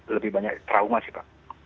lebih banyak trauma pak